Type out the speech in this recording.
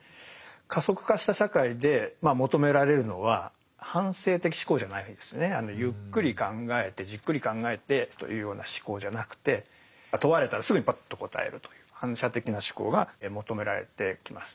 加速化した社会で求められるのは反省的思考じゃないんですねゆっくり考えてじっくり考えてというような思考じゃなくて問われたらすぐにバッと答えるという反射的な思考が求められてきます。